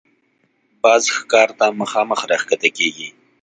باز ښکار ته مخامخ راښکته کېږي